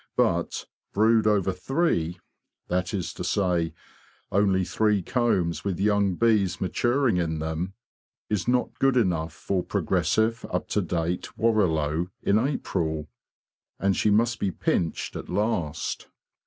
But 'brood over three ''—that is to say, only three combs with young bees maturing in them—is not good enough for progressive, up to date Warrilow in April, and she must be pinched at last.